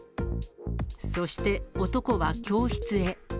そして男は教室へ。